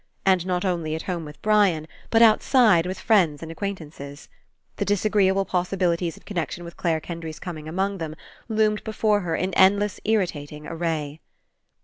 And not only at home with Brian, but outside with friends and acquaintances. The dis agreeable possibilities in connection with Clare Kendry's coming among them loomed before her In endless irritating array.